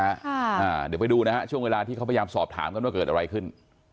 เดี๋ยวไปดูนะฮะช่วงเวลาที่เขาพยายามสอบถามกันว่าเกิดอะไรขึ้น